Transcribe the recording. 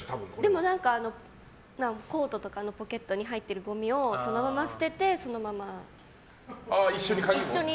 でも何かコートとかのポケットに入ってるごみをそのまま捨ててそのまま一緒に鍵を。